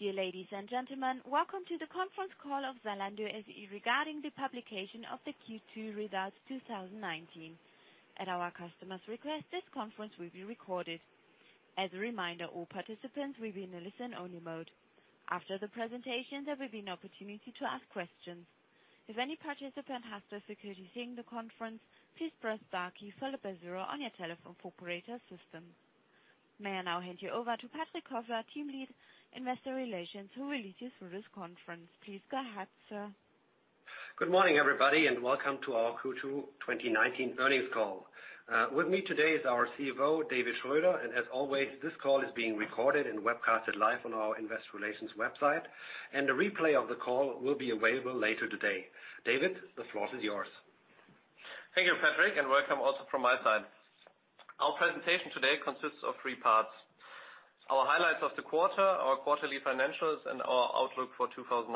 Dear ladies and gentlemen, welcome to the conference call of Zalando SE regarding the publication of the Q2 results 2019. At our customer's request, this conference will be recorded. As a reminder, all participants will be in a listen-only mode. After the presentation, there will be an opportunity to ask questions. If any participant has difficulty hearing the conference, please press star key followed by 0 on your telephone operator system. May I now hand you over to Patrick Kofler, Team Lead Investor Relations, who will lead you through this conference. Please go ahead, sir. Good morning, everybody, welcome to our Q2 2019 earnings call. With me today is our CFO, David Schröder, and as always, this call is being recorded and webcasted live on our investor relations website, and a replay of the call will be available later today. David, the floor is yours. Thank you, Patrick. Welcome also from my side. Our presentation today consists of three parts: Our highlights of the quarter, our quarterly financials, and our outlook for 2019.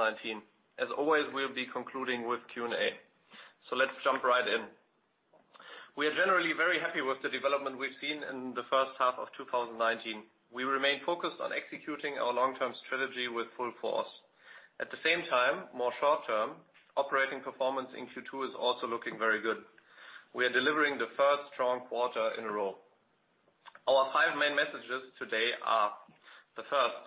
As always, we'll be concluding with Q&A. Let's jump right in. We are generally very happy with the development we've seen in the first half of 2019. We remain focused on executing our long-term strategy with full force. At the same time, more short-term, operating performance in Q2 is also looking very good. We are delivering the first strong quarter in a row. Our five main messages today are: The first,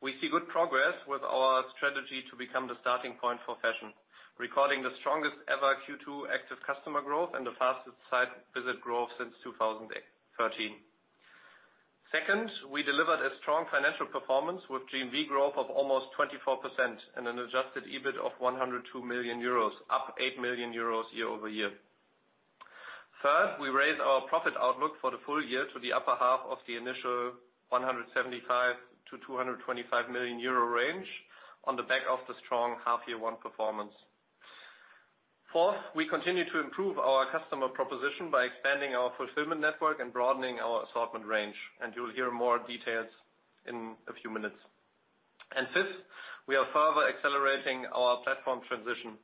we see good progress with our strategy to become the starting point for fashion, recording the strongest-ever Q2 active customer growth and the fastest site visit growth since 2013. Second, we delivered a strong financial performance with GMV growth of almost 24% and an adjusted EBIT of 102 million euros, up 8 million euros year-over-year. Third, we raised our profit outlook for the full year to the upper half of the initial 175 million-225 million euro range on the back of the strong half year one performance. Fourth, we continue to improve our customer proposition by expanding our fulfillment network and broadening our assortment range. You'll hear more details in a few minutes. Fifth, we are further accelerating our platform transition.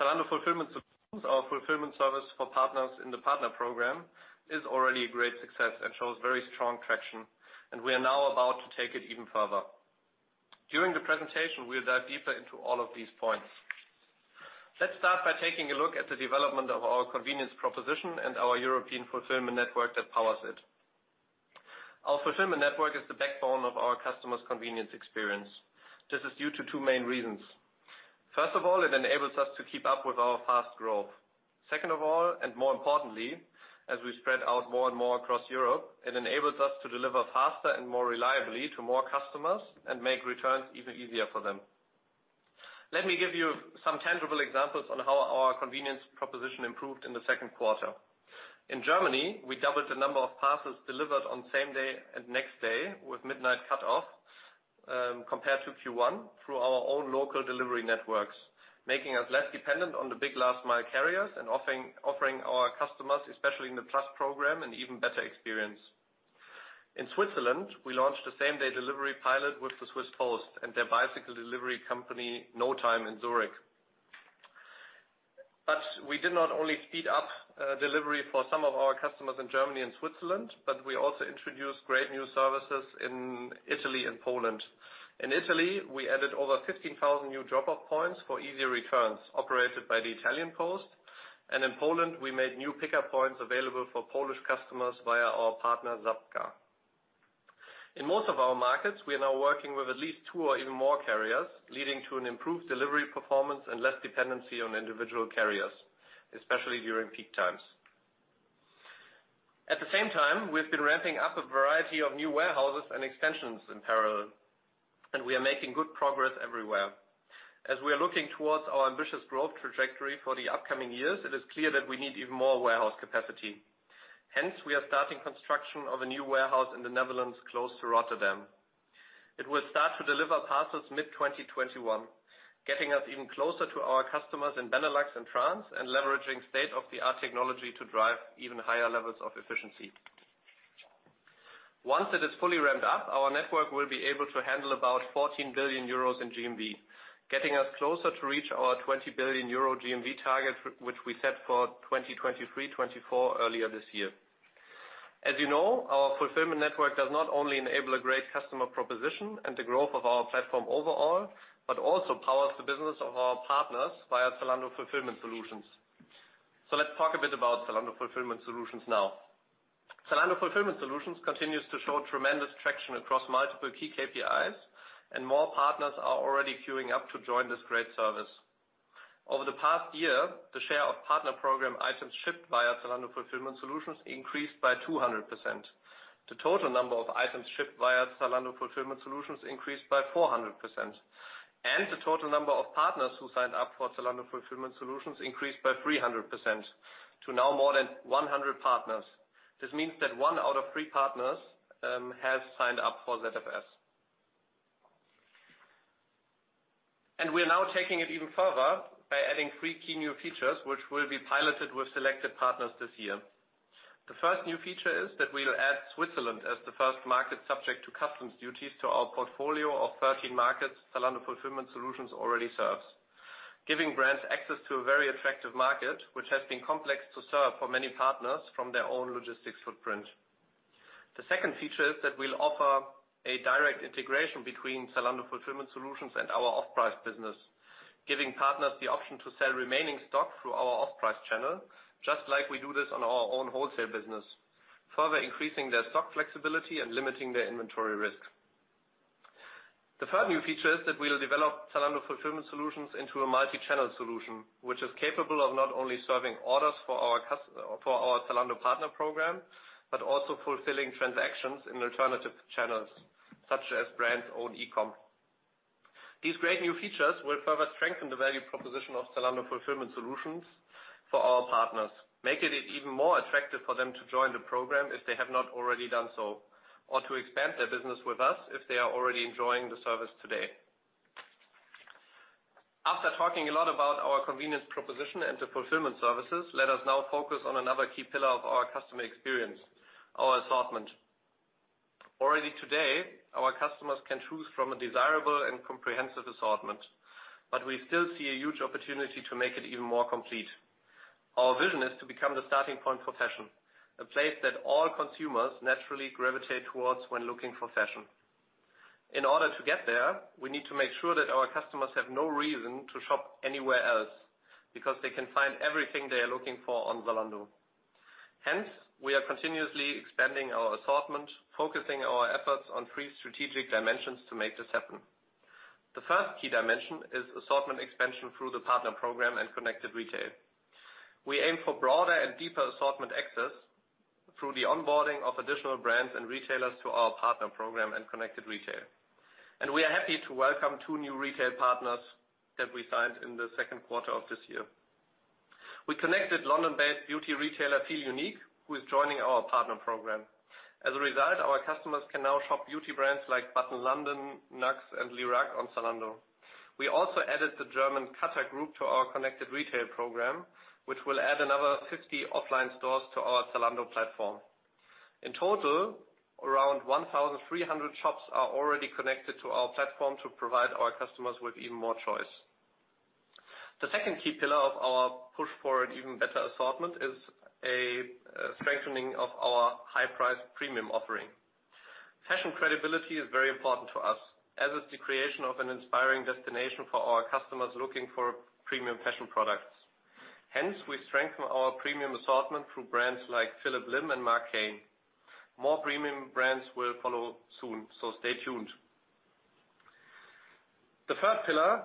Zalando Fulfillment Solutions, our fulfillment service for partners in the Partner Program, is already a great success and shows very strong traction. We are now about to take it even further. During the presentation, we'll dive deeper into all of these points. Let's start by taking a look at the development of our convenience proposition and our European fulfillment network that powers it. Our fulfillment network is the backbone of our customers' convenience experience. This is due to two main reasons. First of all, it enables us to keep up with our fast growth. Second of all, and more importantly, as we spread out more and more across Europe, it enables us to deliver faster and more reliably to more customers and make returns even easier for them. Let me give you some tangible examples on how our convenience proposition improved in the second quarter. In Germany, we doubled the number of parcels delivered on same day and next day with midnight cutoff, compared to Q1 through our own local delivery networks, making us less dependent on the big last-mile carriers and offering our customers, especially in the Plus Program, an even better experience. In Switzerland, we launched a same-day delivery pilot with the Swiss Post and their bicycle delivery company, notime, in Zurich. We did not only speed up delivery for some of our customers in Germany and Switzerland, but we also introduced great new services in Italy and Poland. In Italy, we added over 15,000 new drop-off points for easier returns operated by the Italian Post. In Poland, we made new pickup points available for Polish customers via our partner Żabka. In most of our markets, we are now working with at least two or even more carriers, leading to an improved delivery performance and less dependency on individual carriers, especially during peak times. At the same time, we've been ramping up a variety of new warehouses and expansions in parallel, and we are making good progress everywhere. As we are looking towards our ambitious growth trajectory for the upcoming years, it is clear that we need even more warehouse capacity. Hence, we are starting construction of a new warehouse in the Netherlands, close to Rotterdam. It will start to deliver parcels mid-2021, getting us even closer to our customers in Benelux and France and leveraging state-of-the-art technology to drive even higher levels of efficiency. Once it is fully ramped up, our network will be able to handle about 14 billion euros in GMV, getting us closer to reach our 20 billion euro GMV target, which we set for 2023, 2024 earlier this year. As you know, our fulfillment network does not only enable a great customer proposition and the growth of our platform overall, but also powers the business of our partners via Zalando Fulfillment Solutions. Let's talk a bit about Zalando Fulfillment Solutions now. Zalando Fulfillment Solutions continues to show tremendous traction across multiple key KPIs, and more partners are already queuing up to join this great service. Over the past year, the share of partner program items shipped via Zalando Fulfillment Solutions increased by 200%. The total number of items shipped via Zalando Fulfillment Solutions increased by 400%. The total number of partners who signed up for Zalando Fulfillment Solutions increased by 300% to now more than 100 partners. This means that one out of three partners has signed up for ZFS. We are now taking it even further by adding three key new features, which will be piloted with selected partners this year. The first new feature is that we'll add Switzerland as the first market subject to customs duties to our portfolio of 13 markets Zalando Fulfillment Solutions already serves. Giving brands access to a very attractive market, which has been complex to serve for many partners from their own logistics footprint. The second feature is that we'll offer a direct integration between Zalando Fulfillment Solutions and our offprice business, giving partners the option to sell remaining stock through our offprice channel, just like we do this on our own wholesale business, further increasing their stock flexibility and limiting their inventory risk. The third new feature is that we'll develop Zalando Fulfillment Solutions into a multi-channel solution, which is capable of not only serving orders for our Zalando partner program, but also fulfilling transactions in alternative channels, such as brand's own e-com. These great new features will further strengthen the value proposition of Zalando Fulfillment Solutions for our partners, making it even more attractive for them to join the program if they have not already done so, or to expand their business with us if they are already enjoying the service today. After talking a lot about our convenience proposition and the fulfillment services, let us now focus on another key pillar of our customer experience, our assortment. Already today, our customers can choose from a desirable and comprehensive assortment, but we still see a huge opportunity to make it even more complete. Our vision is to become the starting point for fashion, a place that all consumers naturally gravitate towards when looking for fashion. In order to get there, we need to make sure that our customers have no reason to shop anywhere else because they can find everything they are looking for on Zalando. Hence, we are continuously expanding our assortment, focusing our efforts on three strategic dimensions to make this happen. The first key dimension is assortment expansion through the partner program and Connected Retail. We aim for broader and deeper assortment access through the onboarding of additional brands and retailers to our Partner Program and Connected Retail. We are happy to welcome two new retail partners that we signed in the second quarter of this year. We connected London-based beauty retailer Feelunique, who is joining our Partner Program. As a result, our customers can now shop beauty brands like butter LONDON, NUXE, and Lierac on Zalando. We also added the German Katag group to our Connected Retail program, which will add another 50 offline stores to our Zalando platform. In total, around 1,300 shops are already connected to our platform to provide our customers with even more choice. The second key pillar of our push for an even better assortment is a strengthening of our high price premium offering. Fashion credibility is very important to us, as is the creation of an inspiring destination for our customers looking for premium fashion products. Hence, we strengthen our premium assortment through brands like 3.1 Phillip Lim and Marc Cain. More premium brands will follow soon, so stay tuned. The third pillar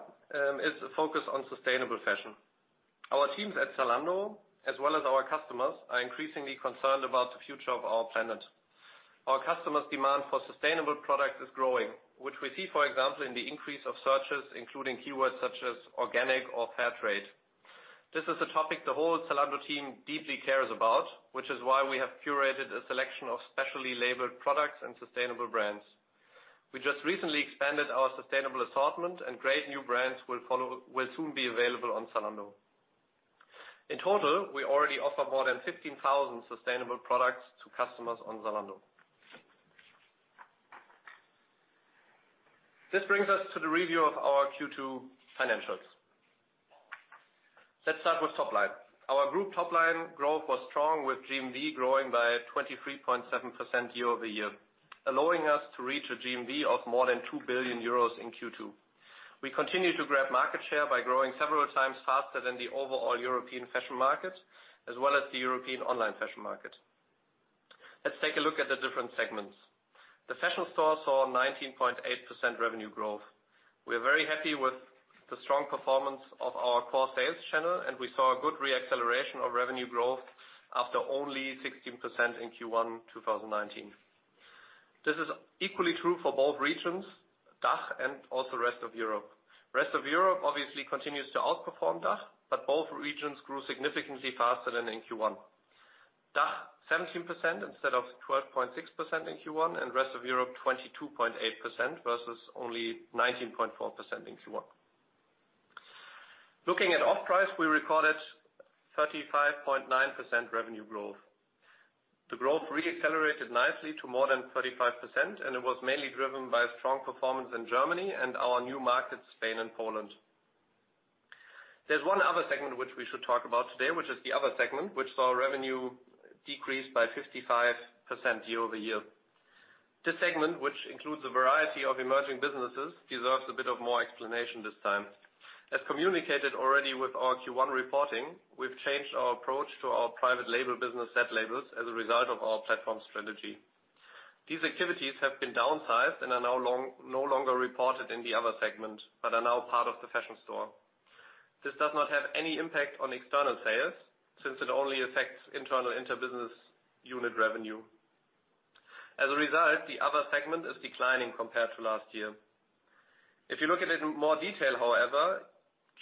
is the focus on sustainable fashion. Our teams at Zalando, as well as our customers, are increasingly concerned about the future of our planet. Our customers' demand for sustainable products is growing, which we see, for example, in the increase of searches, including keywords such as organic or fair trade. This is a topic the whole Zalando team deeply cares about, which is why we have curated a selection of specially labeled products and sustainable brands. We just recently expanded our sustainable assortment and great new brands will soon be available on Zalando. In total, we already offer more than 15,000 sustainable products to customers on Zalando. This brings us to the review of our Q2 financials. Let's start with top line. Our group top line growth was strong with GMV growing by 23.7% year-over-year, allowing us to reach a GMV of more than 2 billion euros in Q2. We continue to grab market share by growing several times faster than the overall European fashion market, as well as the European online fashion market. Let's take a look at the different segments. The fashion store saw a 19.8% revenue growth. We are very happy with the strong performance of our core sales channel, and we saw a good re-acceleration of revenue growth after only 16% in Q1 2019. This is equally true for both regions, DACH and also rest of Europe. Rest of Europe obviously continues to outperform DACH. Both regions grew significantly faster than in Q1. DACH, 17% instead of 12.6% in Q1. Rest of Europe, 22.8% versus only 19.4% in Q1. Looking at Off Price, we recorded 35.9% revenue growth. The growth re-accelerated nicely to more than 35%. It was mainly driven by strong performance in Germany and our new markets, Spain and Poland. There's one other segment which we should talk about today, which is the other segment, which saw revenue decrease by 55% year-over-year. This segment, which includes a variety of emerging businesses, deserves a bit of more explanation this time. As communicated already with our Q1 reporting, we've changed our approach to our private label business zLabels as a result of our platform strategy. These activities have been downsized and are no longer reported in the other segment, but are now part of the fashion store. This does not have any impact on external sales since it only affects internal interbusiness unit revenue. As a result, the other segment is declining compared to last year. If you look at it in more detail, however,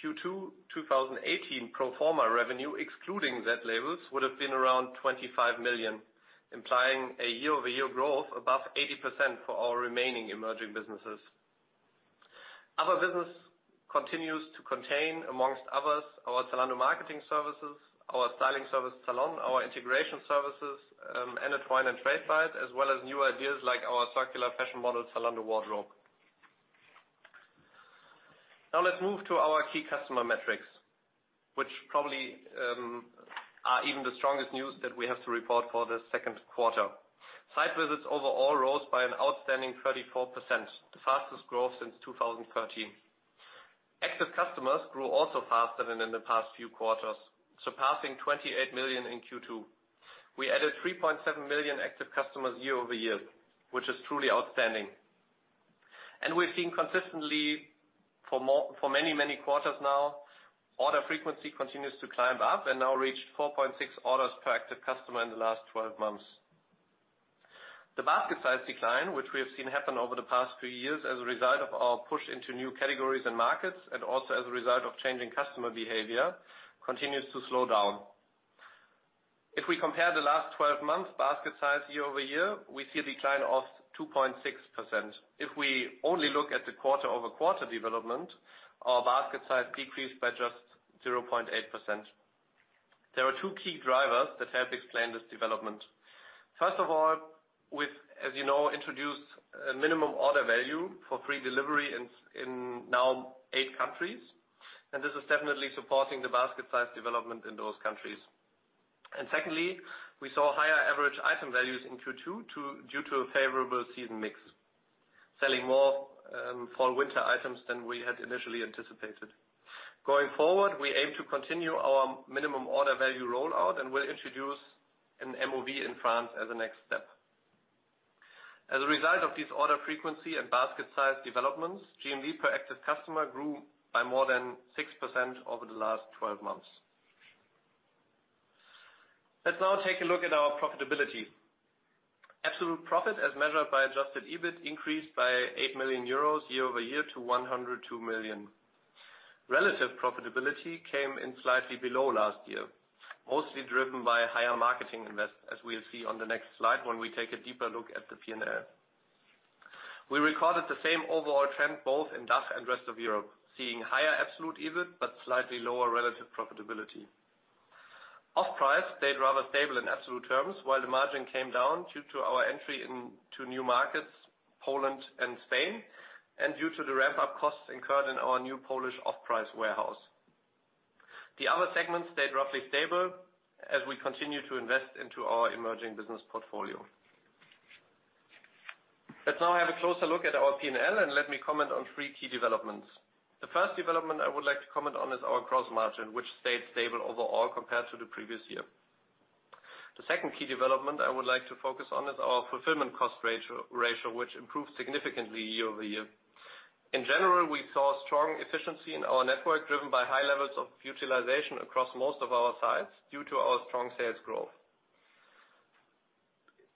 Q2 2018 pro forma revenue, excluding zLabels, would have been around 25 million, implying a year-over-year growth above 80% for our remaining emerging businesses. Other business continues to contain, amongst others, our Zalando Marketing Services, our styling service Zalon, our integration services, Anatwine and Tradebyte, as well as new ideas like our circular fashion model, Zalando Wardrobe. Now let's move to our key customer metrics, which probably are even the strongest news that we have to report for the second quarter. Site visits overall rose by an outstanding 34%, the fastest growth since 2013. Active customers grew also faster than in the past few quarters, surpassing 28 million in Q2. We added 3.7 million active customers year-over-year, which is truly outstanding. We've seen consistently for many quarters now, order frequency continues to climb up and now reached 4.6 orders per active customer in the last 12 months. The basket size decline, which we have seen happen over the past few years as a result of our push into new categories and markets, and also as a result of changing customer behavior, continues to slow down. If we compare the last 12 months basket size year-over-year, we see a decline of 2.6%. If we only look at the quarter-over-quarter development, our basket size decreased by just 0.8%. There are two key drivers that help explain this development. First of all, we've, as you know, introduced a minimum order value for free delivery in now eight countries, and this is definitely supporting the basket size development in those countries. Secondly, we saw higher average item values in Q2 due to a favorable season mix. Selling more fall/winter items than we had initially anticipated. Going forward, we aim to continue our minimum order value rollout and will introduce an MOV in France as a next step. As a result of these order frequency and basket size developments, GMV per active customer grew by more than 6% over the last 12 months. Let's now take a look at our profitability. Absolute profit, as measured by adjusted EBIT, increased by 8 million euros year-over-year to 102 million. Relative profitability came in slightly below last year, mostly driven by higher marketing invest, as we'll see on the next slide when we take a deeper look at the P&L. We recorded the same overall trend, both in DACH and rest of Europe, seeing higher absolute EBIT, but slightly lower relative profitability. Off price stayed rather stable in absolute terms, while the margin came down due to our entry into new markets, Poland and Spain, and due to the ramp-up costs incurred in our new Polish off-price warehouse. The other segments stayed roughly stable as we continue to invest into our emerging business portfolio. Let's now have a closer look at our P&L, and let me comment on three key developments. The first development I would like to comment on is our gross margin, which stayed stable overall compared to the previous year. The second key development I would like to focus on is our fulfillment cost ratio, which improved significantly year-over-year. In general, we saw strong efficiency in our network driven by high levels of utilization across most of our sites due to our strong sales growth.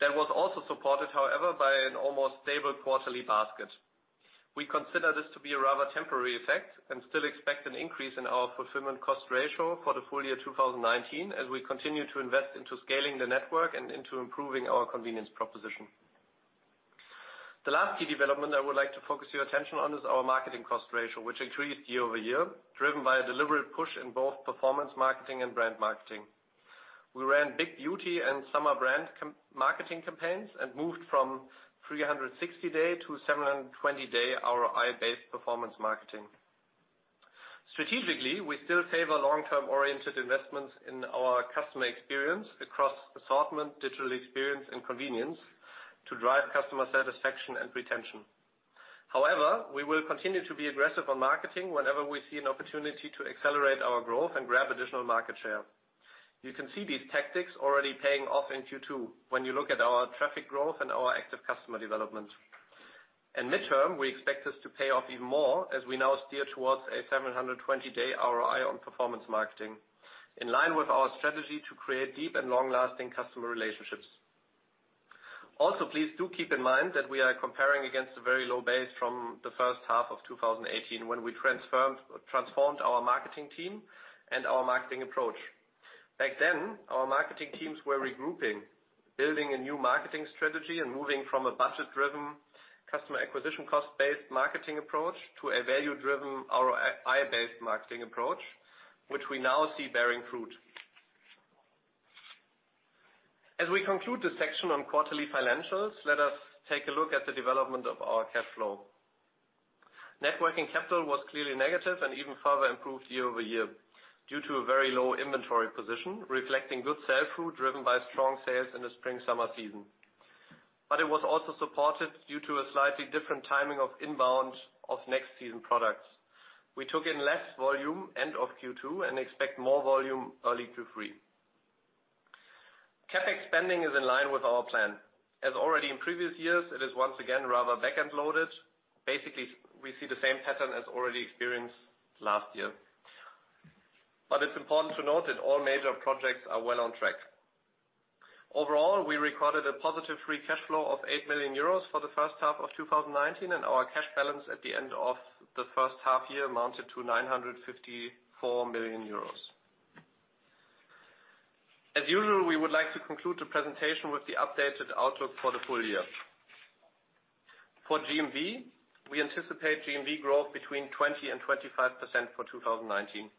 That was also supported, however, by an almost stable quarterly basket. We consider this to be a rather temporary effect and still expect an increase in our fulfillment cost ratio for the full year 2019 as we continue to invest into scaling the network and into improving our convenience proposition. The last key development I would like to focus your attention on is our marketing cost ratio, which increased year-over-year, driven by a deliberate push in both performance marketing and brand marketing. We ran big beauty and summer brand marketing campaigns and moved from 360-day to 720-day ROI-based performance marketing. Strategically, we still favor long-term oriented investments in our customer experience across assortment, digital experience, and convenience to drive customer satisfaction and retention. However, we will continue to be aggressive on marketing whenever we see an opportunity to accelerate our growth and grab additional market share. You can see these tactics already paying off in Q2 when you look at our traffic growth and our active customer development. Midterm, we expect this to pay off even more as we now steer towards a 720-day ROI on performance marketing, in line with our strategy to create deep and long-lasting customer relationships. Also, please do keep in mind that we are comparing against a very low base from the first half of 2018 when we transformed our marketing team and our marketing approach. Back then, our marketing teams were regrouping, building a new marketing strategy and moving from a budget-driven customer acquisition cost-based marketing approach to a value-driven ROI-based marketing approach, which we now see bearing fruit. As we conclude this section on quarterly financials, let us take a look at the development of our cash flow. Net working capital was clearly negative and even further improved year-over-year due to a very low inventory position, reflecting good sell-through driven by strong sales in the spring/summer season. It was also supported due to a slightly different timing of inbound of next season products. We took in less volume end of Q2 and expect more volume early Q3. CapEx spending is in line with our plan. As already in previous years, it is once again rather back-end-loaded. Basically, we see the same pattern as already experienced last year. It's important to note that all major projects are well on track. Overall, we recorded a positive free cash flow of 8 million euros for the first half of 2019, and our cash balance at the end of the first half year amounted to 954 million euros. As usual, we would like to conclude the presentation with the updated outlook for the full year. For GMV, we anticipate GMV growth between 20% and 25% for 2019.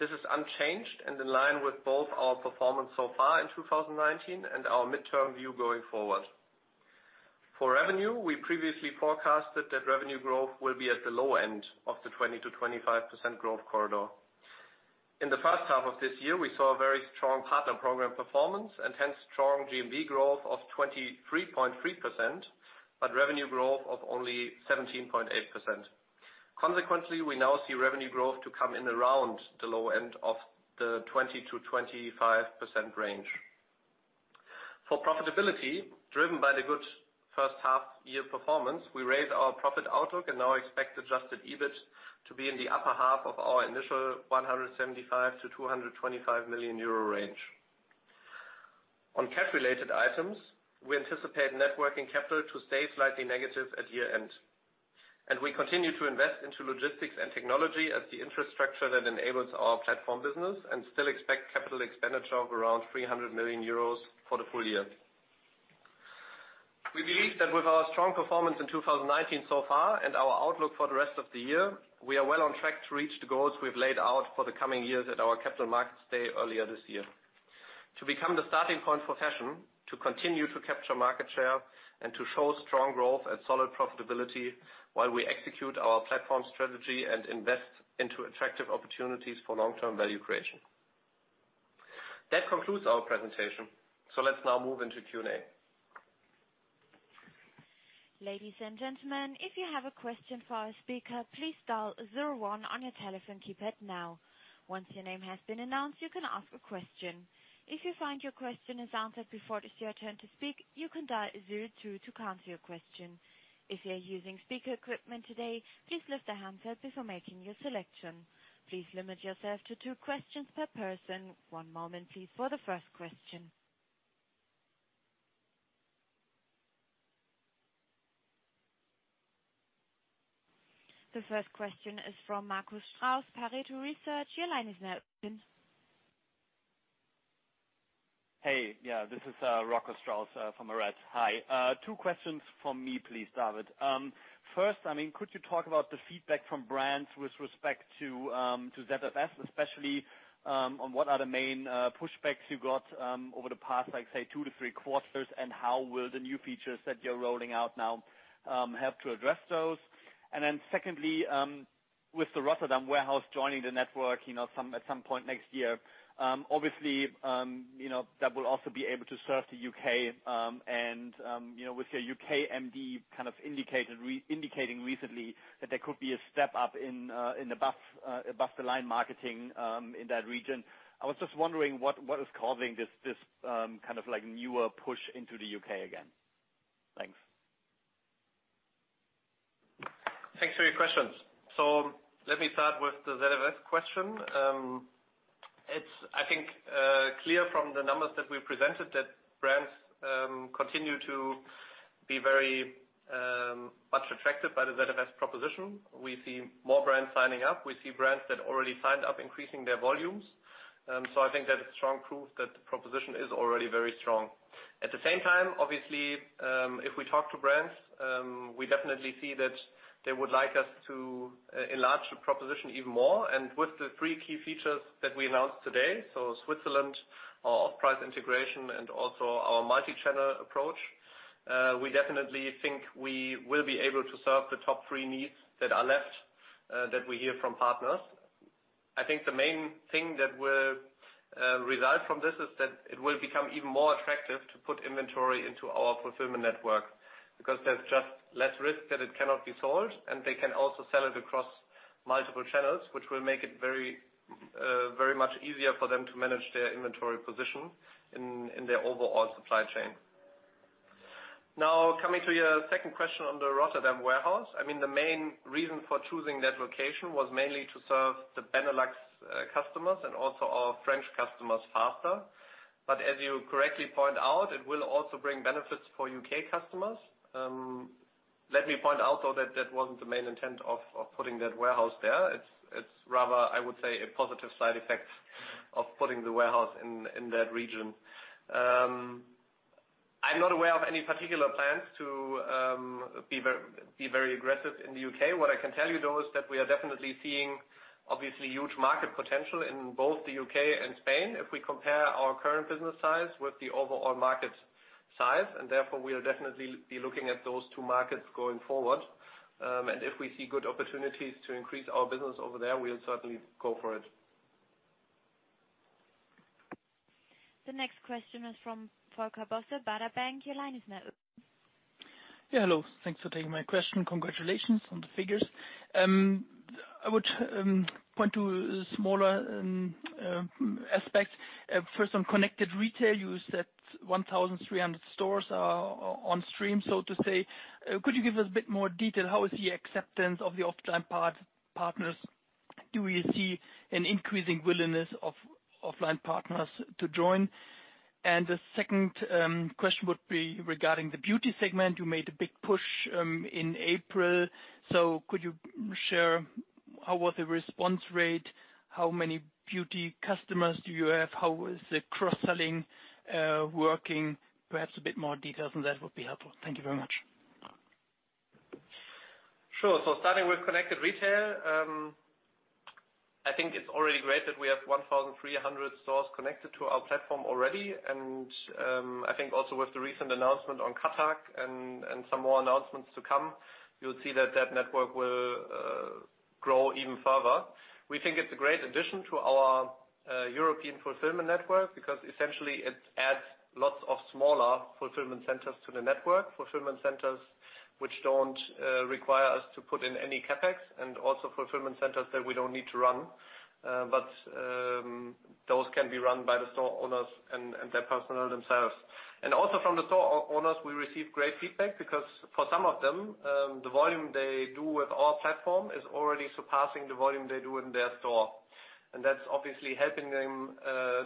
This is unchanged and in line with both our performance so far in 2019 and our midterm view going forward. For revenue, we previously forecasted that revenue growth will be at the low end of the 20%-25% growth corridor. In the first half of this year, we saw a very strong partner program performance and hence strong GMV growth of 23.3%, but revenue growth of only 17.8%. Consequently, we now see revenue growth to come in around the low end of the 20%-25% range. For profitability, driven by the good first half year performance, we raised our profit outlook and now expect adjusted EBIT to be in the upper half of our initial 175 million-225 million euro range. On cash related items, we anticipate net working capital to stay slightly negative at year-end. We continue to invest into logistics and technology as the infrastructure that enables our platform business and still expect capital expenditure of around 300 million euros for the full year. We believe that with our strong performance in 2019 so far and our outlook for the rest of the year, we are well on track to reach the goals we've laid out for the coming years at our capital markets day earlier this year. To become the starting point for fashion, to continue to capture market share, and to show strong growth and solid profitability while we execute our platform strategy and invest into attractive opportunities for long-term value creation. That concludes our presentation. Let's now move into Q&A. Ladies and gentlemen, if you have a question for our speaker, please dial zero one on your telephone keypad now. Once your name has been announced, you can ask a question. If you find your question is answered before it is your turn to speak, you can dial zero two to cancel your question. If you're using speaker equipment today, please lift the handset before making your selection. Please limit yourself to two questions per person. One moment please for the first question. The first question is from Markus Strauss, Pareto Research. Your line is now open. Hey. Yeah, this is Rocco Strauss, from Arete. Hi. Two questions from me, please, David. First, could you talk about the feedback from brands with respect to ZFS, especially, on what are the main pushbacks you got over the past, let's say, two to three quarters? How will the new features that you're rolling out now help to address those? Secondly, with the Rotterdam warehouse joining the network at some point next year, obviously, that will also be able to serve the U.K., and with your U.K. MD kind of indicating recently that there could be a step up in above the line marketing, in that region. I was just wondering what is causing this newer push into the U.K. again. Thanks. Thanks for your questions. Let me start with the ZFS question. It's, I think, clear from the numbers that we presented that brands continue to be very much attracted by the ZFS proposition. We see more brands signing up. We see brands that already signed up increasing their volumes. I think that is strong proof that the proposition is already very strong. At the same time, obviously, if we talk to brands, we definitely see that they would like us to enlarge the proposition even more. With the three key features that we announced today, so Switzerland, our off-price integration, and also our multi-channel approach, we definitely think we will be able to serve the top three needs that are left, that we hear from partners. I think the main thing that will result from this is that it will become even more attractive to put inventory into our fulfillment network, because there's just less risk that it cannot be sold, and they can also sell it across multiple channels, which will make it very much easier for them to manage their inventory position in their overall supply chain. Coming to your second question on the Rotterdam warehouse. The main reason for choosing that location was mainly to serve the Benelux customers and also our French customers faster. As you correctly point out, it will also bring benefits for U.K. customers. Let me point out, though, that that wasn't the main intent of putting that warehouse there. It's rather, I would say, a positive side effect of putting the warehouse in that region. I'm not aware of any particular plans to be very aggressive in the U.K. What I can tell you, though, is that we are definitely seeing obviously huge market potential in both the U.K. and Spain if we compare our current business size with the overall market size. Therefore, we'll definitely be looking at those two markets going forward. If we see good opportunities to increase our business over there, we'll certainly go for it. The next question is from Volker Bosse, Baader Bank. Your line is now open. Yeah, hello. Thanks for taking my question. Congratulations on the figures. I would point to smaller aspects. First, on Connected Retail, you said 1,300 stores are on stream, so to say. Could you give us a bit more detail? How is the acceptance of the offline partners? Do you see an increasing willingness of offline partners to join? The second question would be regarding the beauty segment. You made a big push in April. Could you share how was the response rate? How many beauty customers do you have? How is the cross-selling working? Perhaps a bit more details on that would be helpful. Thank you very much. Sure. Starting with connected retail, I think it's already great that we have 1,300 stores connected to our platform already. I think also with the recent announcement on Katag and some more announcements to come, you'll see that that network will grow even further. We think it's a great addition to our European fulfillment network because essentially it adds lots of smaller fulfillment centers to the network. Fulfillment centers, which don't require us to put in any CapEx and also fulfillment centers that we don't need to run. Those can be run by the store owners and their personnel themselves. Also from the store owners, we receive great feedback because for some of them, the volume they do with our platform is already surpassing the volume they do in their store. That's obviously helping them,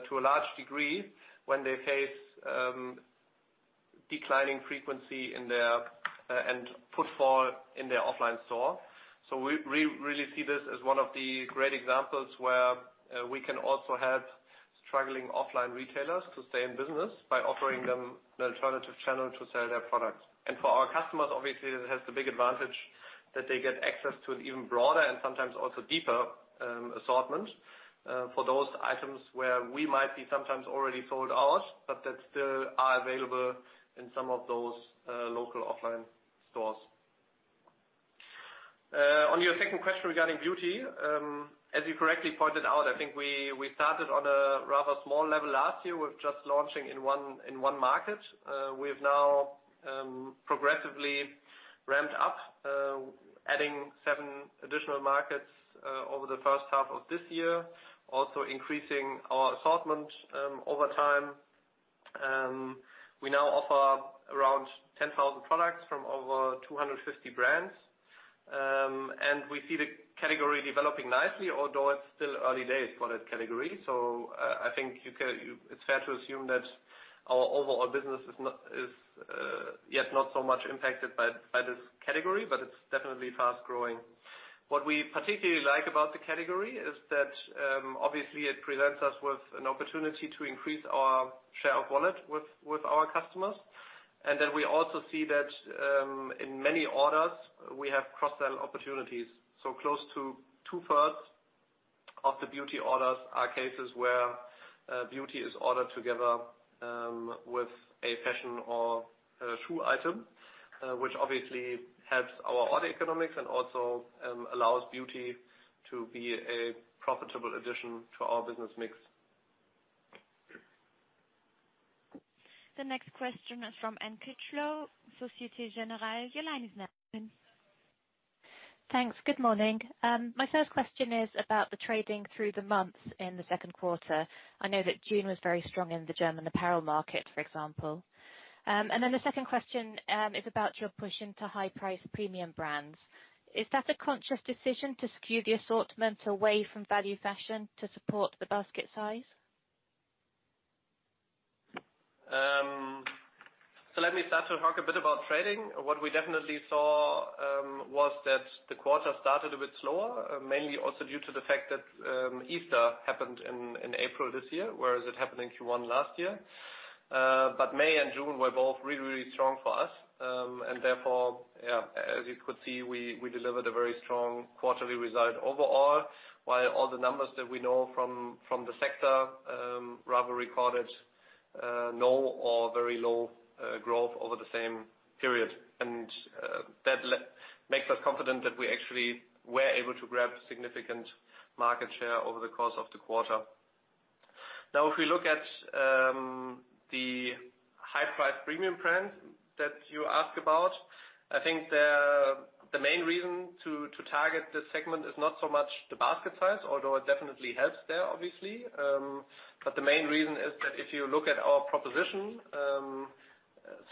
to a large degree when they face declining frequency and footfall in their offline store. We really see this as one of the great examples where we can also help struggling offline retailers to stay in business by offering them an alternative channel to sell their products. For our customers, obviously, it has the big advantage that they get access to an even broader and sometimes also deeper assortment, for those items where we might be sometimes already sold out, but that still are available in some of those local offline stores. On your second question regarding beauty, as you correctly pointed out, I think we started on a rather small level last year with just launching in one market. We have now progressively ramped up, adding seven additional markets over the first half of this year, also increasing our assortment over time. We now offer around 10,000 products from over 250 brands. We see the category developing nicely, although it's still early days for that category. I think it's fair to assume that our overall business is yet not so much impacted by this category, but it's definitely fast-growing. What we particularly like about the category is that, obviously it presents us with an opportunity to increase our share of wallet with our customers. Then we also see that in many orders, we have cross-sell opportunities. Close to two-thirds of the beauty orders are cases where beauty is ordered together with a fashion or a shoe item, which obviously helps our order economics and also allows beauty to be a profitable addition to our business mix. The next question is from Anne Critchlow, Société Générale. Your line is now open. Thanks. Good morning. My first question is about the trading through the months in the second quarter. I know that June was very strong in the German apparel market, for example. The second question is about your push into high price premium brands. Is that a conscious decision to skew the assortment away from value fashion to support the basket size? Let me start to talk a bit about trading. What we definitely saw was that the quarter started a bit slower, mainly also due to the fact that Easter happened in April this year, whereas it happened in Q1 last year. May and June were both really strong for us. Therefore, as you could see, we delivered a very strong quarterly result overall, while all the numbers that we know from the sector rather recorded no or very low growth over the same period. That makes us confident that we actually were able to grab significant market share over the course of the quarter. Now, if we look at the high price premium brands that you ask about, I think the main reason to target this segment is not so much the basket size, although it definitely helps there obviously. The main reason is that if you look at our proposition,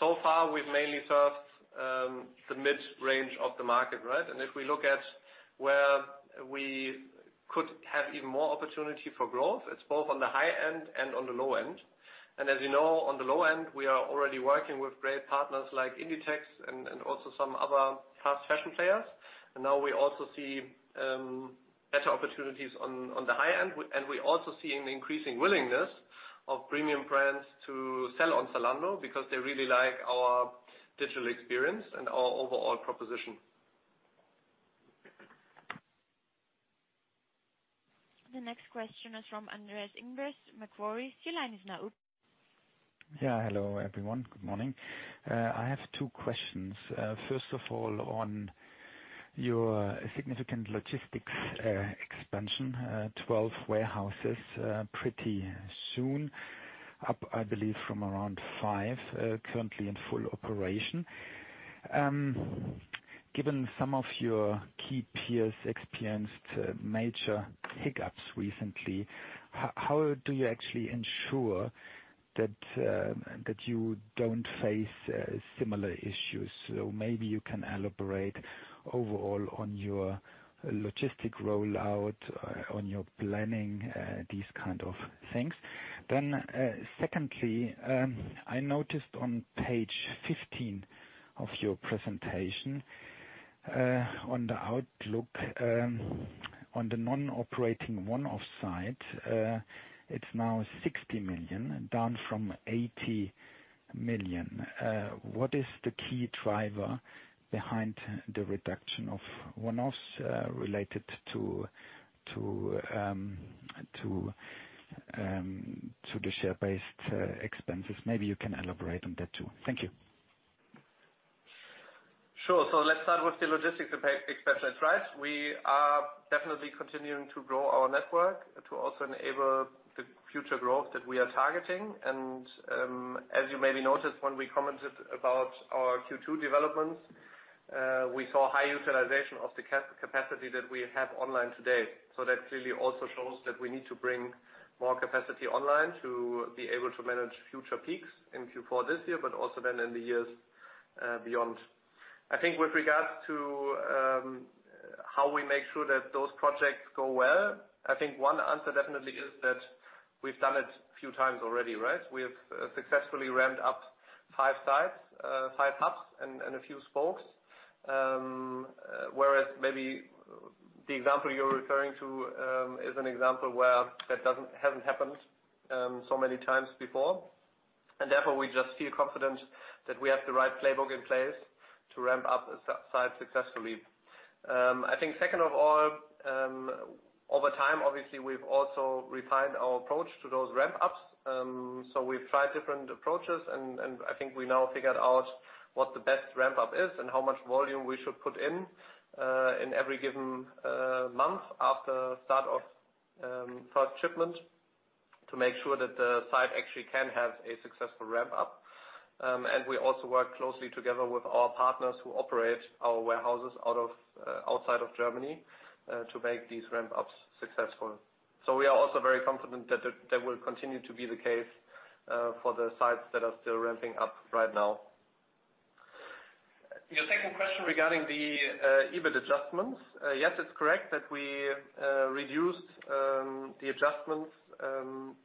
so far we've mainly served the mid-range of the market, right? If we look at where we could have even more opportunity for growth, it's both on the high end and on the low end. As you know, on the low end, we are already working with great partners like Inditex and also some other fast fashion players. Now we also see better opportunities on the high end. We also see an increasing willingness of premium brands to sell on Zalando because they really like our digital experience and our overall proposition. The next question is from Andreas Riemann, Macquarie. Your line is now open. Yeah. Hello, everyone. Good morning. I have two questions. First of all, on your significant logistics expansion, 12 warehouses pretty soon, up, I believe from around five currently in full operation. Given some of your key peers experienced major hiccups recently, how do you actually ensure that you don't face similar issues? Maybe you can elaborate overall on your logistic rollout, on your planning, these kind of things. Secondly, I noticed on page 15 of your presentation, on the outlook, on the non-operating one-off site, it's now 60 million, down from 80 million. What is the key driver behind the reduction of one-offs related to the share-based expenses? Maybe you can elaborate on that too. Thank you. Sure. Let's start with the logistics expense. We are definitely continuing to grow our network to also enable the future growth that we are targeting. As you maybe noticed when we commented about our Q2 developments, we saw high utilization of the capacity that we have online today. That clearly also shows that we need to bring more capacity online to be able to manage future peaks in Q4 this year but also then in the years beyond. I think with regards to how we make sure that those projects go well, I think one answer definitely is that we've done it a few times already, right? We have successfully ramped up five sites, five hubs, and a few spokes. Whereas maybe the example you're referring to is an example where that hasn't happened so many times before. Therefore, we just feel confident that we have the right playbook in place to ramp up a site successfully. I think second of all, over time, obviously, we've also refined our approach to those ramp-ups. We've tried different approaches, and I think we now figured out what the best ramp-up is and how much volume we should put in every given month after start of first shipment to make sure that the site actually can have a successful ramp-up. We also work closely together with our partners who operate our warehouses outside of Germany, to make these ramp-ups successful. We are also very confident that that will continue to be the case for the sites that are still ramping up right now. Your second question regarding the EBIT adjustments. Yes, it's correct that we reduced the adjustments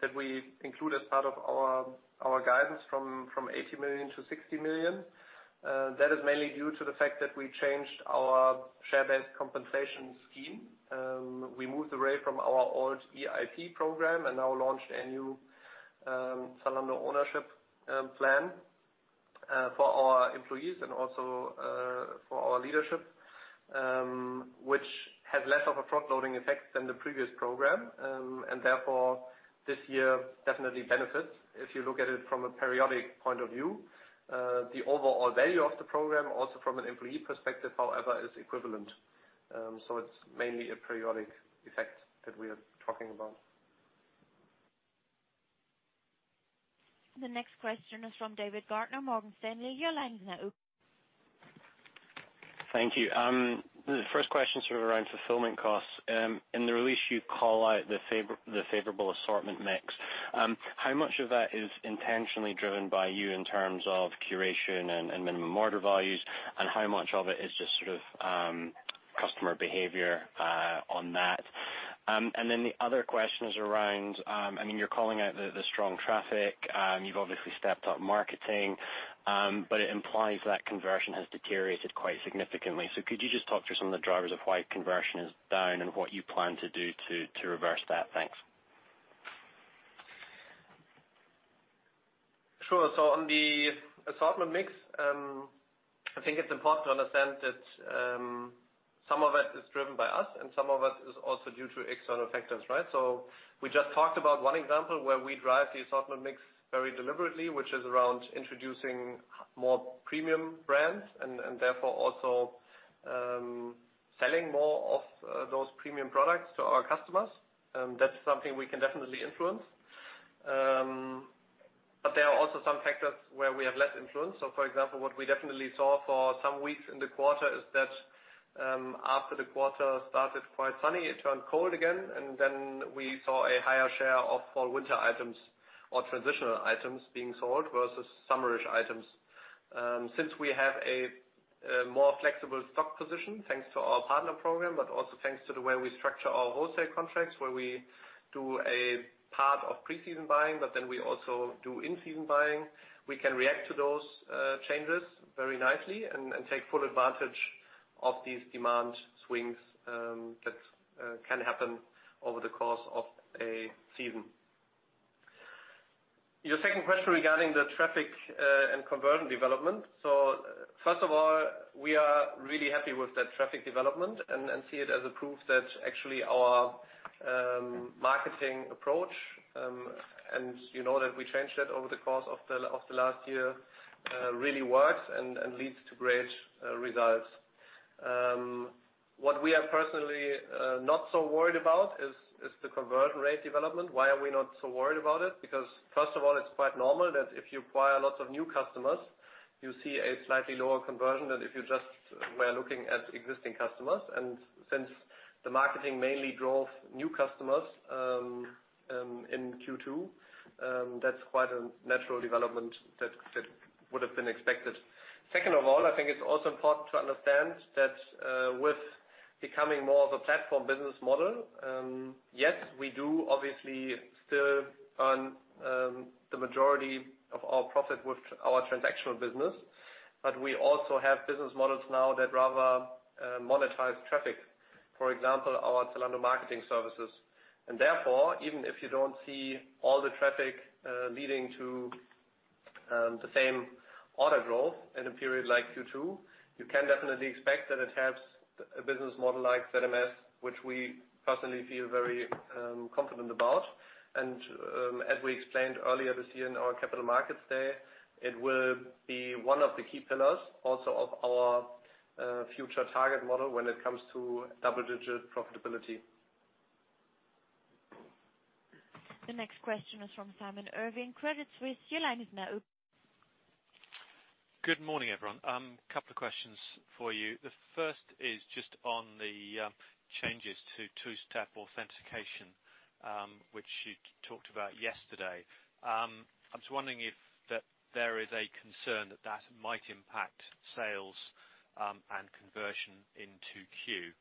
that we include as part of our guidance from 80 million to 60 million. That is mainly due to the fact that we changed our share-based compensation scheme. We moved away from our old EIP program and now launched a new Zalando Ownership Plan for our employees and also for our leadership, which has less of a front-loading effect than the previous program. Therefore, this year definitely benefits if you look at it from a periodic point of view. The overall value of the program, also from an employee perspective, however, is equivalent. It's mainly a periodic effect that we are talking about. The next question is from David Gardner, Morgan Stanley. Your line is now open. Thank you. The first question is around fulfillment costs. In the release, you call out the favorable assortment mix. How much of that is intentionally driven by you in terms of curation and minimum order values, and how much of it is just customer behavior on that? The other question is around, you're calling out the strong traffic, you've obviously stepped up marketing, but it implies that conversion has deteriorated quite significantly. Could you just talk through some of the drivers of why conversion is down and what you plan to do to reverse that? Thanks. Sure. On the assortment mix, I think it's important to understand that some of it is driven by us and some of it is also due to external factors, right? We just talked about one example where we drive the assortment mix very deliberately, which is around introducing more premium brands and therefore also selling more of those premium products to our customers. That's something we can definitely influence. There are also some factors where we have less influence. For example, what we definitely saw for some weeks in the quarter is that, after the quarter started quite sunny, it turned cold again, and then we saw a higher share of fall/winter items or transitional items being sold versus summer-ish items. Since we have a more flexible stock position, thanks to our partner program, but also thanks to the way we structure our wholesale contracts, where we do a part of pre-season buying, but then we also do in-season buying. We can react to those changes very nicely and take full advantage of these demand swings that can happen over the course of a season. Your second question regarding the traffic and conversion development. First of all, we are really happy with that traffic development and see it as a proof that actually our marketing approach, and you know that we changed that over the course of the last year, really works and leads to great results. What we are personally not so worried about is the conversion rate development. Why are we not so worried about it? First of all, it's quite normal that if you acquire lots of new customers, you see a slightly lower conversion than if you just were looking at existing customers. Since the marketing mainly drove new customers in Q2, that's quite a natural development that would have been expected. Second of all, I think it's also important to understand that with becoming more of a platform business model, yes, we do obviously still earn the majority of our profit with our transactional business. We also have business models now that rather monetize traffic. For example, our Zalando Marketing Services. Therefore, even if you don't see all the traffic leading to the same order growth in a period like Q2, you can definitely expect that it helps a business model like ZMS, which we personally feel very confident about. As we explained earlier this year in our capital markets day, it will be one of the key pillars also of our future target model when it comes to double-digit profitability. The next question is from Simon Irwin, Credit Suisse. Your line is now open. Good morning, everyone. Couple of questions for you. The first is just on the changes to two-step authentication, which you talked about yesterday. I was wondering if there is a concern that that might impact sales and conversion into Q.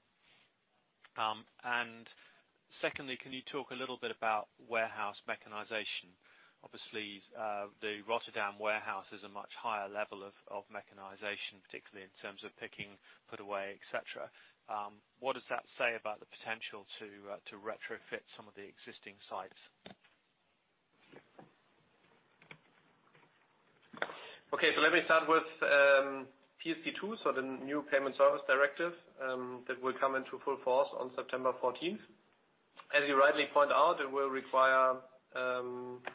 Secondly, can you talk a little bit about warehouse mechanization? Obviously, the Rotterdam warehouse is a much higher level of mechanization, particularly in terms of picking, put away, et cetera. What does that say about the potential to retrofit some of the existing sites? Okay. Let me start with PSD2, the new Payment Services Directive, that will come into full force on September 14th. As you rightly point out, it will require two-factor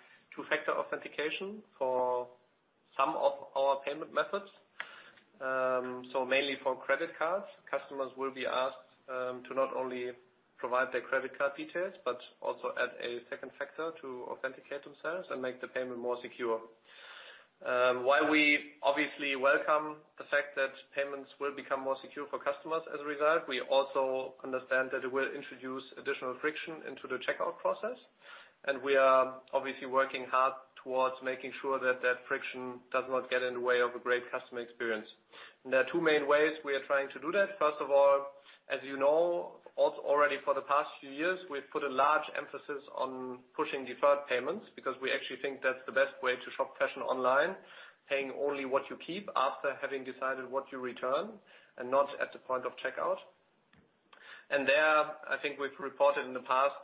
authentication for some of our payment methods. Mainly for credit cards, customers will be asked to not only provide their credit card details, but also add a second factor to authenticate themselves and make the payment more secure. While we obviously welcome the fact that payments will become more secure for customers as a result, we also understand that it will introduce additional friction into the checkout process, and we are obviously working hard towards making sure that that friction does not get in the way of a great customer experience. There are two main ways we are trying to do that. First of all, as you know already for the past few years, we've put a large emphasis on pushing deferred payments because we actually think that's the best way to shop fashion online, paying only what you keep after having decided what you return and not at the point of checkout. There, I think we've reported in the past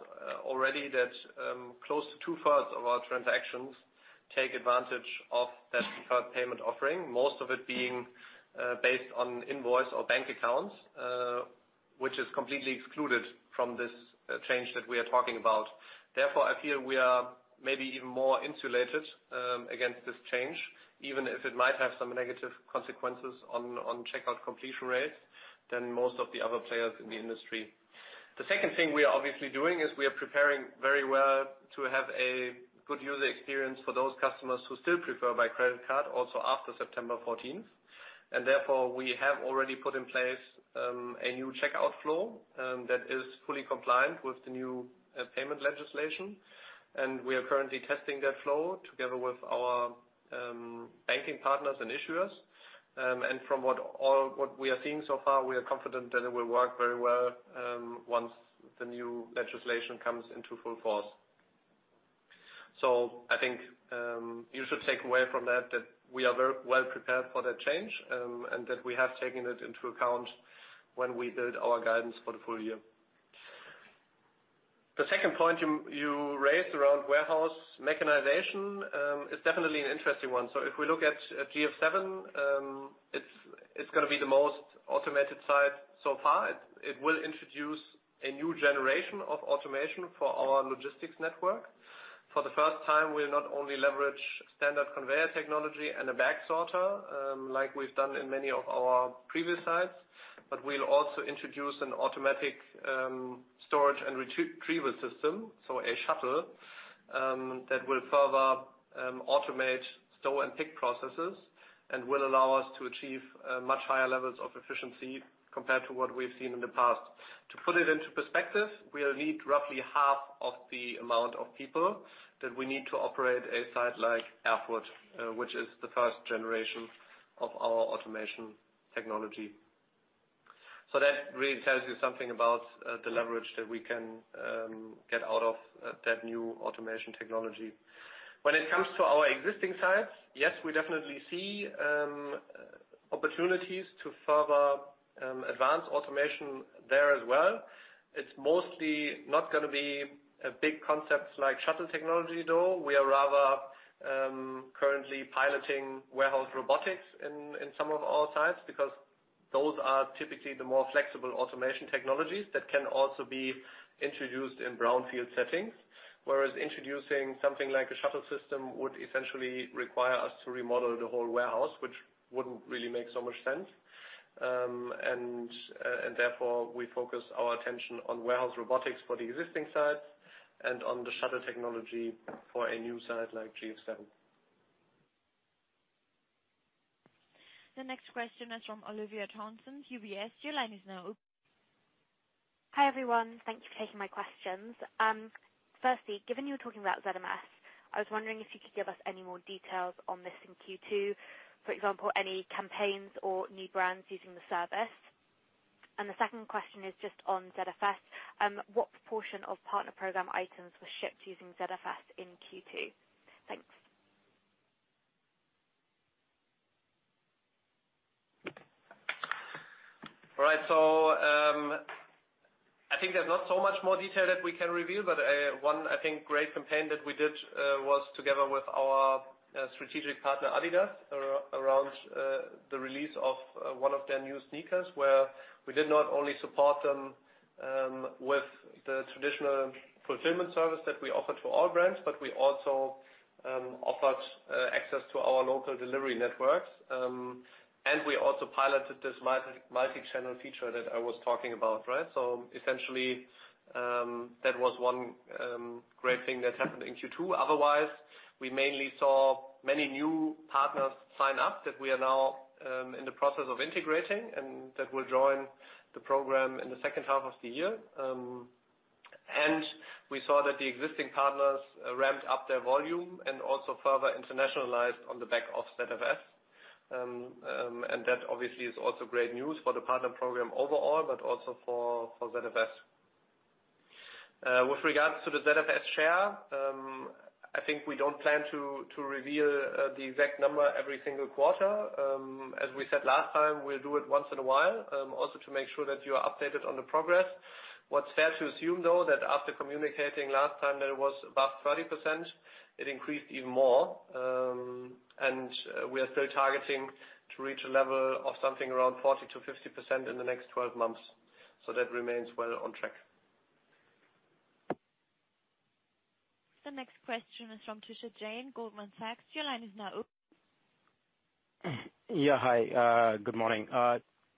already that close to two-thirds of our transactions take advantage of that deferred payment offering, most of it being based on invoice or bank accounts, which is completely excluded from this change that we are talking about. Therefore, I feel we are maybe even more insulated against this change, even if it might have some negative consequences on checkout completion rates than most of the other players in the industry. The second thing we are obviously doing is we are preparing very well to have a good user experience for those customers who still prefer by credit card also after September 14th, and therefore we have already put in place a new checkout flow that is fully compliant with the new payment legislation, and we are currently testing that flow together with our banking partners and issuers. From what we are seeing so far, we are confident that it will work very well once the new legislation comes into full force. I think you should take away from that we are very well prepared for that change, and that we have taken it into account when we build our guidance for the full year. The second point you raised around warehouse mechanization is definitely an interesting one. If we look at GF7, it's going to be the most automated site so far. It will introduce a new generation of automation for our logistics network. For the first time, we'll not only leverage standard conveyor technology and a bag sorter, like we've done in many of our previous sites, but we'll also introduce an automatic storage and retrieval system, so a shuttle that will further automate store and pick processes and will allow us to achieve much higher levels of efficiency compared to what we've seen in the past. To put it into perspective, we'll need roughly half of the amount of people that we need to operate a site like Erfurt, which is the first generation of our automation technology. That really tells you something about the leverage that we can get out of that new automation technology. When it comes to our existing sites, yes, we definitely see opportunities to further advance automation there as well. It's mostly not going to be big concepts like shuttle technology, though. We are rather currently piloting warehouse robotics in some of our sites because those are typically the more flexible automation technologies that can also be introduced in brownfield settings. Whereas introducing something like a shuttle system would essentially require us to remodel the whole warehouse, which wouldn't really make so much sense. Therefore, we focus our attention on warehouse robotics for the existing sites and on the shuttle technology for a new site like GF7. The next question is from Olivia Thompson, UBS. Your line is now open. Hi, everyone. Thank you for taking my questions. Firstly, given you were talking about ZMS, I was wondering if you could give us any more details on this in Q2, for example, any campaigns or new brands using the service? The second question is just on ZFS. What proportion of partner program items were shipped using ZFS in Q2? Thanks. Right. I think there's not so much more detail that we can reveal, but one, I think, great campaign that we did was together with our strategic partner, Adidas, around the release of one of their new sneakers, where we did not only support them with the traditional fulfillment service that we offer to all brands, but we also offered access to our local delivery networks. We also piloted this multi-channel feature that I was talking about, right? Essentially, that was one great thing that happened in Q2. Otherwise, we mainly saw many new partners sign up that we are now in the process of integrating, and that will join the program in the second half of the year. We saw that the existing partners ramped up their volume and also further internationalized on the back of ZFS. That obviously is also great news for the partner program overall, but also for ZFS. With regards to the ZFS share, I think we don't plan to reveal the exact number every single quarter. As we said last time, we'll do it once in a while, also to make sure that you are updated on the progress. What's fair to assume, though, that after communicating last time that it was above 30%, it increased even more. We are still targeting to reach a level of something around 40%-50% in the next 12 months. That remains well on track. The next question is from Tushar Jain in Goldman Sachs. Your line is now open. Yeah, hi. Good morning.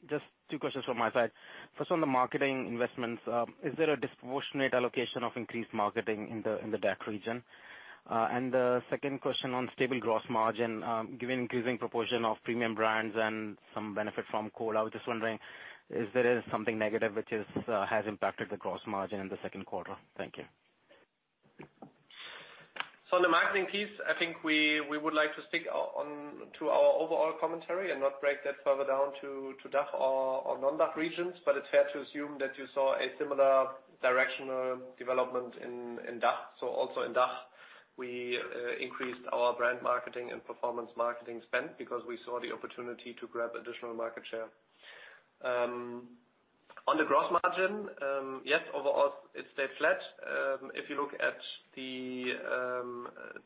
Just two questions from my side. First, on the marketing investments, is there a disproportionate allocation of increased marketing in the DACH region? The second question on stable gross margin, given increasing proportion of premium brands and some benefit from COVID, I was just wondering, is there something negative which has impacted the gross margin in the second quarter? Thank you. On the marketing piece, I think we would like to stick on to our overall commentary and not break that further down to DACH or non-DACH regions. It's fair to assume that you saw a similar directional development in DACH. Also in DACH, we increased our brand marketing and performance marketing spend because we saw the opportunity to grab additional market share. On the gross margin, yes, overall, it stayed flat. If you look at the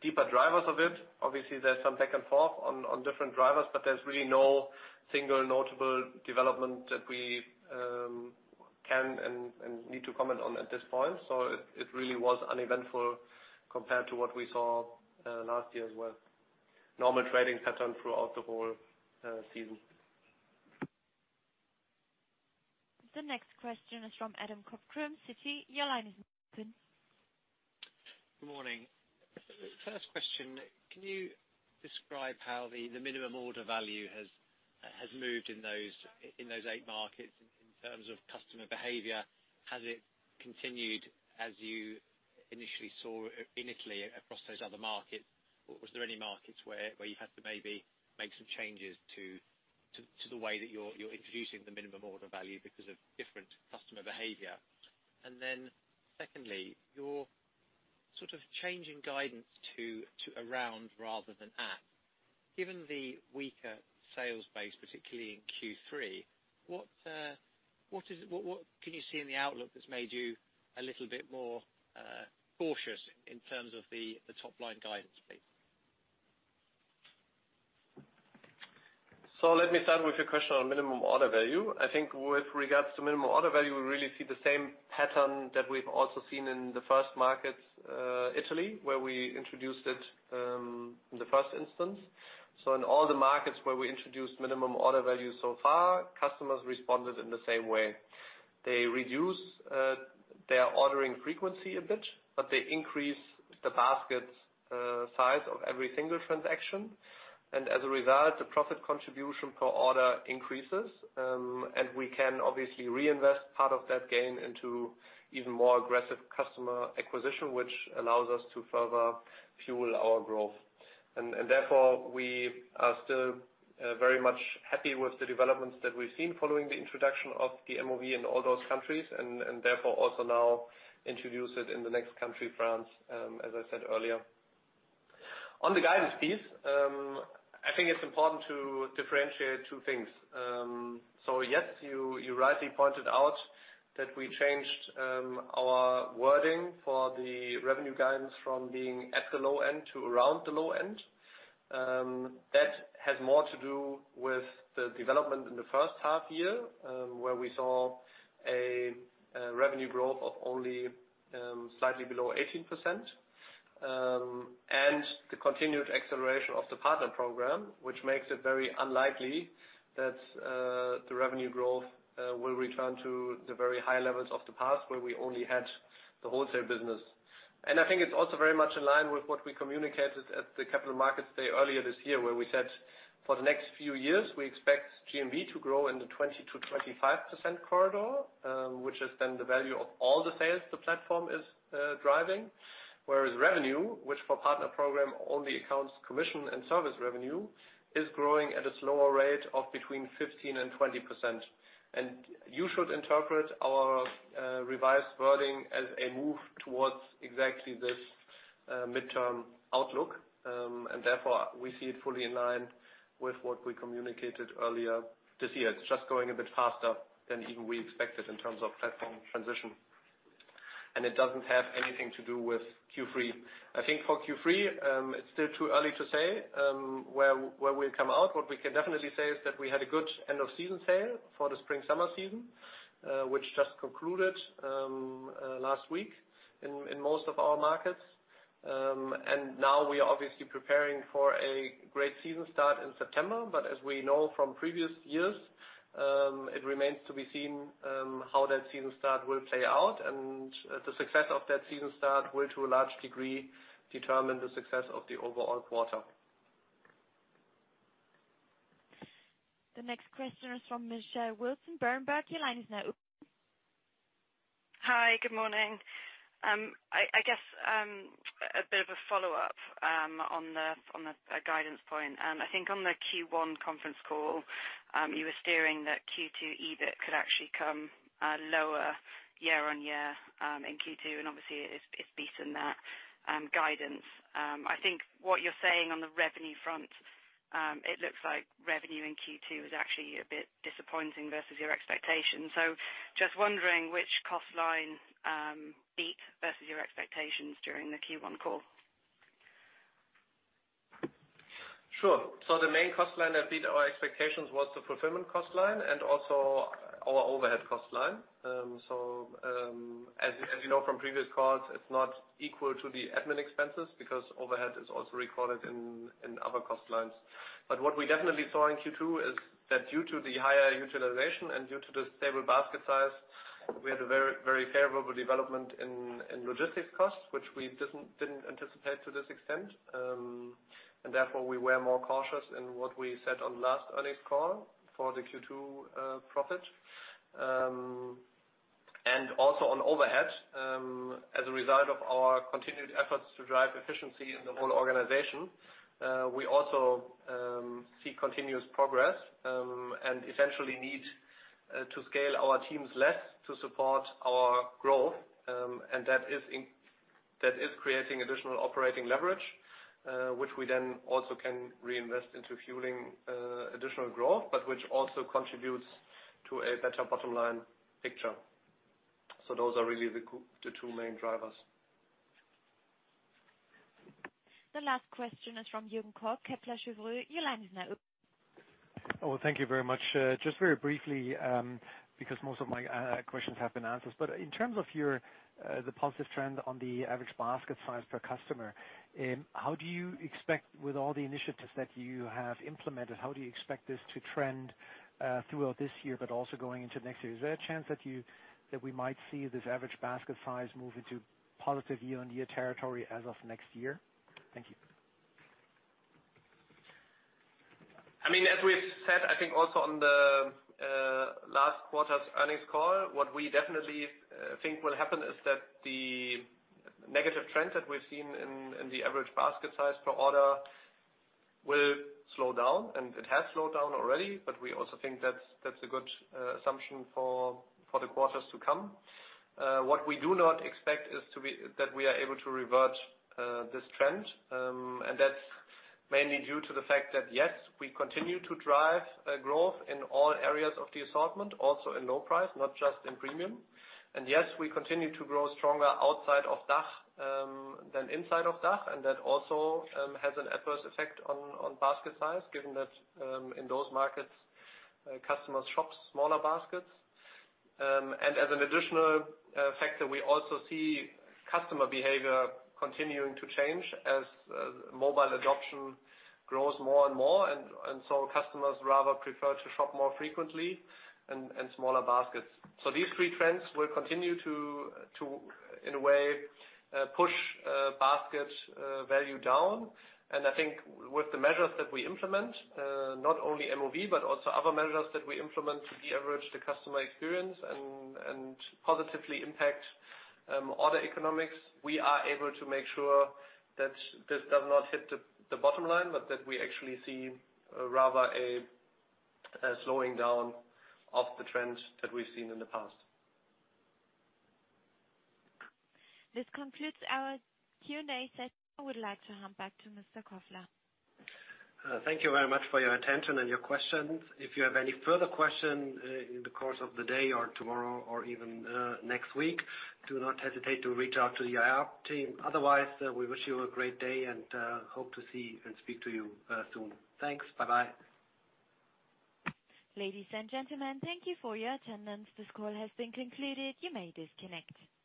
deeper drivers of it, obviously, there's some back and forth on different drivers, but there's really no single notable development that we can and need to comment on at this point. It really was uneventful compared to what we saw last year as well. Normal trading pattern throughout the whole season. The next question is from Adam Cochrane, Citi. Your line is open. Good morning. First question, can you describe how the minimum order value has moved in those eight markets in terms of customer behavior? Has it continued as you initially saw in Italy across those other markets? Was there any markets where you had to maybe make some changes to the way that you're introducing the minimum order value because of different customer behavior? Secondly, your changing guidance to around rather than at, given the weaker sales base, particularly in Q3, what can you see in the outlook that's made you a little bit more cautious in terms of the top-line guidance, please? Let me start with your question on minimum order value. I think with regards to minimum order value, we really see the same pattern that we've also seen in the first markets, Italy, where we introduced it in the first instance. In all the markets where we introduced minimum order value so far, customers responded in the same way. They reduce their ordering frequency a bit, but they increase the basket size of every single transaction. As a result, the profit contribution per order increases, and we can obviously reinvest part of that gain into even more aggressive customer acquisition, which allows us to further fuel our growth. Therefore, we are still very much happy with the developments that we've seen following the introduction of the MOV in all those countries, and therefore, also now introduce it in the next country, France, as I said earlier. On the guidance piece, I think it's important to differentiate two things. Yes, you rightly pointed out that we changed our wording for the revenue guidance from being at the low end to around the low end. That has more to do with the development in the first half year, where we saw a revenue growth of only slightly below 18%. The continued acceleration of the partner program, which makes it very unlikely that the revenue growth will return to the very high levels of the past, where we only had the wholesale business. I think it's also very much in line with what we communicated at the Capital Markets Day earlier this year, where we said for the next few years, we expect GMV to grow in the 20%-25% corridor, which is then the value of all the sales the platform is driving. Whereas revenue, which for partner program only accounts commission and service revenue, is growing at a slower rate of between 15% and 20%. You should interpret our revised wording as a move towards exactly this midterm outlook, and therefore, we see it fully in line with what we communicated earlier this year. It's just going a bit faster than even we expected in terms of platform transition, and it doesn't have anything to do with Q3. I think for Q3, it's still too early to say where we'll come out. What we can definitely say is that we had a good end of season sale for the spring-summer season, which just concluded last week in most of our markets. Now we are obviously preparing for a great season start in September. As we know from previous years, it remains to be seen how that season start will play out and the success of that season start will, to a large degree, determine the success of the overall quarter. The next question is from Michelle Wilson, Berenberg. Your line is now open. Hi. Good morning. I guess, a bit of a follow-up on the guidance point. I think on the Q1 conference call, you were steering that Q2 EBIT could actually come lower year-on-year in Q2. Obviously, it's beaten that guidance. I think what you're saying on the revenue front, it looks like revenue in Q2 is actually a bit disappointing versus your expectations. Just wondering which cost line beat versus your expectations during the Q1 call. Sure. The main cost line that beat our expectations was the fulfillment cost line and also our overhead cost line. As you know from previous calls, it's not equal to the admin expenses because overhead is also recorded in other cost lines. What we definitely saw in Q2 is that due to the higher utilization and due to the stable basket size, we had a very favorable development in logistics costs, which we didn't anticipate to this extent. Therefore, we were more cautious in what we said on last earnings call for the Q2 profit. Also on overhead, as a result of our continued efforts to drive efficiency in the whole organization, we also see continuous progress, and essentially need to scale our teams less to support our growth. That is creating additional operating leverage, which we then also can reinvest into fueling additional growth, but which also contributes to a better bottom-line picture. Those are really the two main drivers. The last question is from Jürgen Kolb, Kepler Cheuvreux. Your line is now open. Well, thank you very much. Just very briefly, because most of my questions have been answered, but in terms of the positive trend on the average basket size per customer, with all the initiatives that you have implemented, how do you expect this to trend, throughout this year, but also going into next year? Is there a chance that we might see this average basket size move into positive year-on-year territory as of next year? Thank you. As we've said, I think also on the last quarter's earnings call, what we definitely think will happen is that the negative trends that we've seen in the average basket size per order will slow down, and it has slowed down already. We also think that's a good assumption for the quarters to come. What we do not expect is that we are able to revert this trend. That's mainly due to the fact that, yes, we continue to drive growth in all areas of the assortment, also in low price, not just in premium. Yes, we continue to grow stronger outside of DACH than inside of DACH. That also has an adverse effect on basket size, given that in those markets, customers shop smaller baskets. As an additional factor, we also see customer behavior continuing to change as mobile adoption grows more and more, customers rather prefer to shop more frequently and smaller baskets. These three trends will continue to, in a way, push basket value down. I think with the measures that we implement, not only MOV, but also other measures that we implement to de-average the customer experience and positively impact order economics, we are able to make sure that this does not hit the bottom line, but that we actually see rather a slowing down of the trends that we've seen in the past. This concludes our Q&A session. I would like to hand back to Mr. Kofler. Thank you very much for your attention and your questions. If you have any further questions in the course of the day or tomorrow or even next week, do not hesitate to reach out to the IR team. Otherwise, we wish you a great day and hope to see and speak to you soon. Thanks. Bye-bye. Ladies and gentlemen, thank you for your attendance. This call has been concluded. You may disconnect.